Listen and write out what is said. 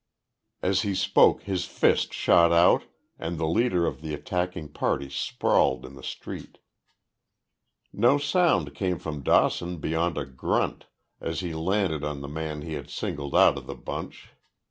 As he spoke his fist shot out and the leader of the attacking party sprawled in the street. No sound came from Dawson, beyond a grunt, as he landed on the man he had singled out of the bunch.